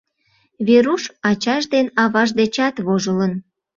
Веруш ачаж ден аваж дечат вожылын.